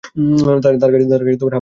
তার কাছে half billion dollar আছে।